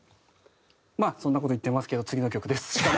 「まあそんな事言ってますけど次の曲です」しか。